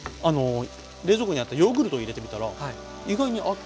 冷蔵庫にあったヨーグルトを入れてみたら意外に合って。